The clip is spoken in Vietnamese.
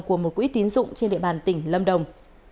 của một quỹ tín dụng trên địa bàn tỉnh lâm đồng